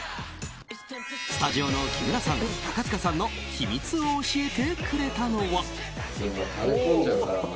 スタジオの木村さん、高塚さんの秘密を教えてくれたのは。